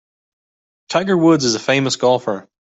Tiger Woods is a famous golfer.